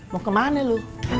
mau kemana lu